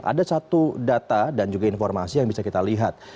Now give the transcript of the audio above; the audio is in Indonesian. ada satu data dan juga informasi yang bisa kita lihat